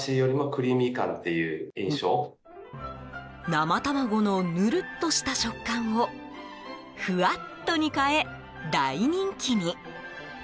生卵のヌルッとした食感をフワッとに変え、大人気に。